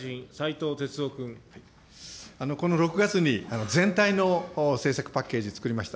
この６月に、全体の政策パッケージ、作りました。